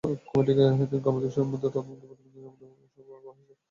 কমিটিকে তিন কর্মদিবসের মধ্যে তদন্ত প্রতিবেদন জমা দেওয়ার জন্য বলা হয়েছে।